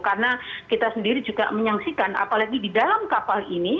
karena kita sendiri juga menyaksikan apalagi di dalam kapal ini